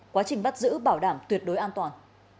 quá trình bắt giữ bảo đảm tuyệt đối an toàn